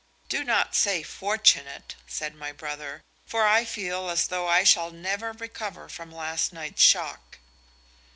"Do not say fortunate," said my brother; "for I feel as though I shall never recover from last night's shock."